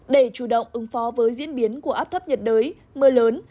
để chủ động ứng phó với diễn biến của áp thấp nhiệt đới mưa lớn